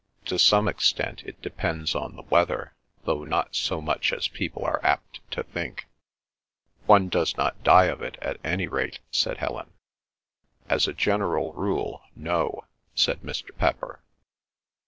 "To some extent it depends on the weather, though not so much as people are apt to think." "One does not die of it, at any rate," said Helen. "As a general rule—no," said Mr. Pepper.